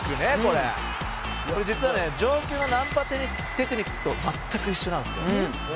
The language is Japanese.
「これ実はね上級のナンパテクニックと全く一緒なんですね」